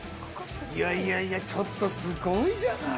いやいやいやちょっとすごいじゃない！